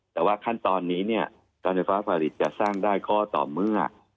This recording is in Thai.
แต่ว่าขั้นตอนนี้เนี่ยการไฟฟ้าผลิตจะสร้างได้ข้อต่อเมื่อ